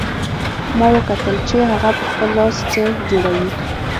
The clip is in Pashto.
ما وکتل چې هغه په خپل لاس څه جوړوي